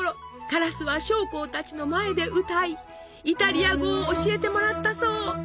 カラスは将校たちの前で歌いイタリア語を教えてもらったそう。